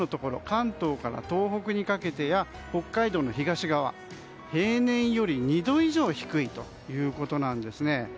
関東から東北にかけてや北海道の東側、平年より２度以上低いということなんですね。